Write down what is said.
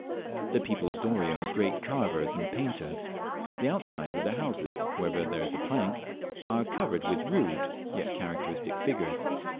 The people of Dorey are great carvers and painters. The outsides of the houses, wherever there is a plank, are covered with rude yet characteristic figures.